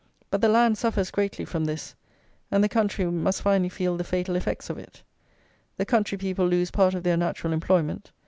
But the land suffers greatly from this, and the country must finally feel the fatal effects of it. The country people lose part of their natural employment.